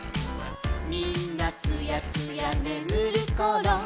「みんなすやすやねむるころ」